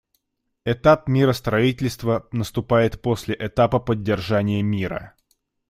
Этап миростроительства наступает после этапа поддержания мира.